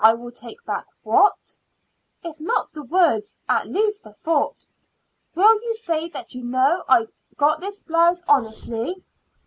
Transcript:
"Will I take back what?" "If not the words, at least the thought? Will you say that you know that I got this blouse honestly?"